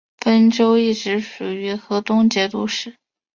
汾州一直属于河东节度使。